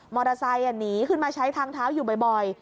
มอเตอร์ไซค์หนีขึ้นมาใช้ทางเท้าอยู่บ่อย